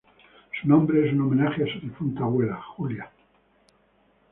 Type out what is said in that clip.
Su nombre es un homenaje a su difunta abuela, Julia.